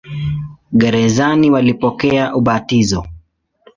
Gerezani walipokea ubatizo.